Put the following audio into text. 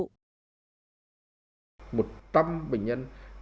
trong thời gian một trăm linh bệnh nhân